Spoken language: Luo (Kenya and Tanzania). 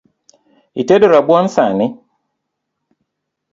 Itedo rabuon sani?